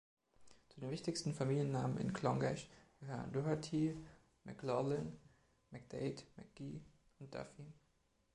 Zu den wichtigsten Familiennamen in Clonglash gehören Doherty, McLaughlin, McDaid, McGee und Duffy.